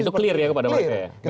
itu clear ya kepada mereka ya